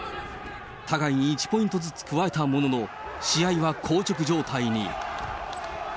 互いに１ポイントずつ加えたものの、試合は硬直状態に。